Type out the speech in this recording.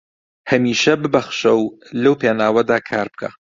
هەمیشە ببەخشە و لەو پێناوەدا کار بکە